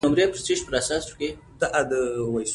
افغانستان د خپلې خاورې له مخې په نړۍ کې پېژندل کېږي.